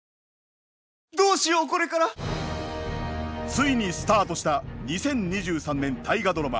ついにスタートした２０２３年大河ドラマ